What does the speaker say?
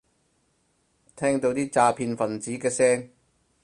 聽到啲詐騙份子嘅聲